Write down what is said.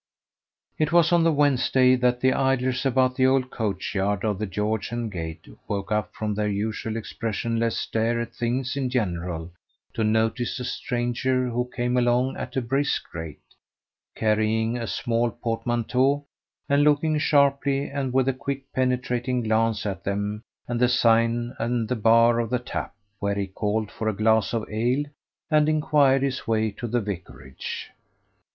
It was on the Wednesday that the idlers about the old coach yard of the George and Gate woke up from their usual expressionless stare at things in general to notice a stranger who came along at a brisk rate, carrying a small portmanteau, and looking sharply and with a quick penetrating glance at them and the sign and the bar of the tap, where he called for a glass of ale and inquired his way to the vicarage.